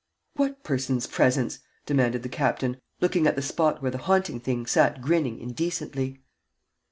"What person's presence?" demanded the captain, looking at the spot where the haunting thing sat grinning indecently.